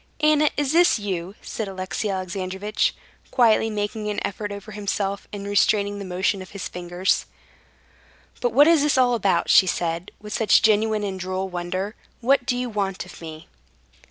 "Anna, is this you?" said Alexey Alexandrovitch, quietly making an effort over himself, and restraining the motion of his fingers. "But what is it all about?" she said, with such genuine and droll wonder. "What do you want of me?"